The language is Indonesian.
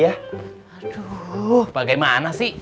aduh bagaimana sih